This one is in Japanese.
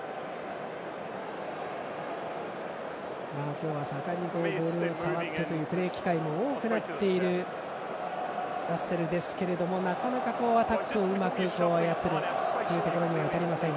今日は盛んにボールを触ってというプレー機会も多くなっているラッセルですけれどもなかなかアタックをうまく操るというところにはいたりません。